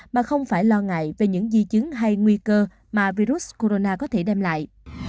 mà không phải lo ngại về những di chứng hay nguy cơ mà virus corona có thể đem lại